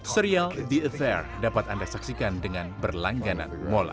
serial the affair dapat anda saksikan dengan berlangganan mola